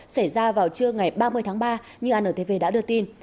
xảy ra vào trưa ngày ba mươi tháng ba như antv đã đưa tin